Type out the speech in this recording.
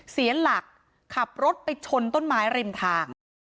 เสียหลักขับรถไปชนต้นไม้ริมทาง